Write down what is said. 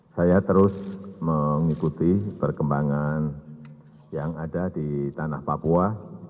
saya terus mengikuti perkembangan yang ada di tanah papua